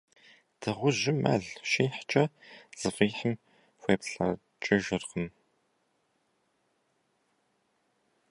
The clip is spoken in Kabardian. Дыгъужьым мэл щихькӏэ, зыфӏихьым хуеплӏэкӏыжыркъым.